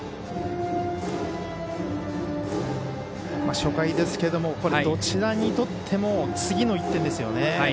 初回ですけれどもどちらにとっても次の１点ですよね。